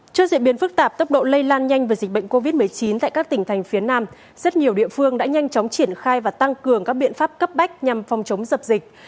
trước diễn biến phức tạp tốc độ lây lan nhanh về dịch bệnh covid một mươi chín tại các tỉnh thành phía nam rất nhiều địa phương đã nhanh chóng triển khai và tăng cường các biện pháp cấp bách nhằm phòng chống dập dịch